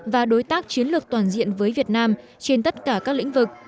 và đối tác chiến lược toàn diện với việt nam trên tất cả các lĩnh vực